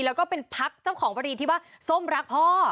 แล้วก็เป็นพักเจ้าของพอดีที่ว่าส้มรักพ่อ